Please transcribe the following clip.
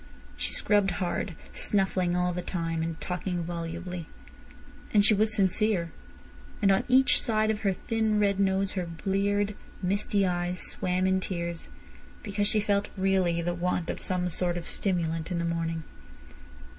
She scrubbed hard, snuffling all the time, and talking volubly. And she was sincere. And on each side of her thin red nose her bleared, misty eyes swam in tears, because she felt really the want of some sort of stimulant in the morning.